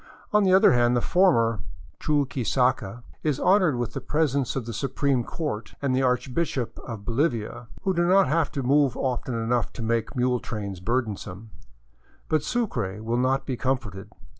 On the other hand the former " Chuquisaca " is honored with the presence of the su preme court and the archbishop of Bolivia, who do not have to move often enough to make mule trails burdensome. But Sucre will not be comforted.